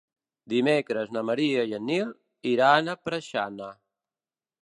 Dimecres na Maria i en Nil iran a Preixana.